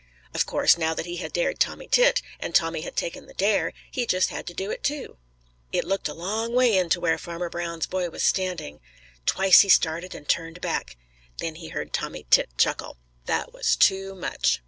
Of course now that he had dared Tommy Tit, and Tommy had taken the dare, he just had to do it too. It looked a long way in to where Farmer Brown's boy was standing. Twice he started and turned back. Then he heard Tommy Tit chuckle. That was too much.